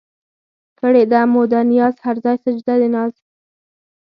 کړېده مو ده نياز هر ځای سجده د ناز